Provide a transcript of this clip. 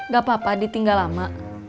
gak papa ditinggal lama